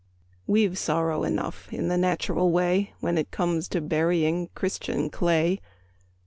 We've sorrow enough in the natural way, When it comes to burying Christian clay.